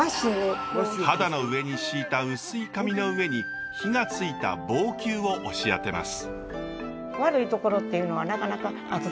肌の上に敷いた薄い紙の上に火がついた棒灸を押し当てます。